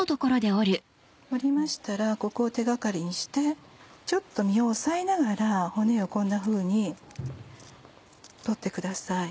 折りましたらここを手掛かりにしてちょっと身を押さえながら骨をこんなふうに取ってください。